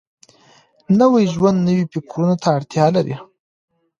نوی ژوند نويو فکرونو ته اړتيا لري.